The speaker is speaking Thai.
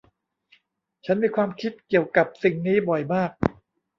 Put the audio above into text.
ฉันมีความคิดเกี่ยวกับสิ่งนี้บ่อยมาก